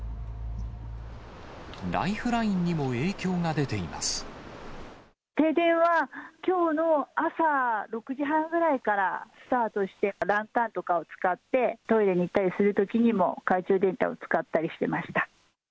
ライフラインにも影響が出ていま停電は、きょうの朝６時半ぐらいからスタートして、ランタンとかを使って、トイレに行ったりするときにも、懐中電灯を使ったりしていました。